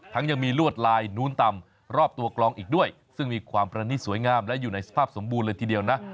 ยังมีลวดลายนู้นต่ำรอบตัวกลองอีกด้วยซึ่งมีความประณีตสวยงามและอยู่ในสภาพสมบูรณ์เลยทีเดียวนะ